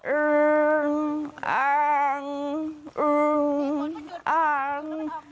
อื้งอ่างอื้งอ่าง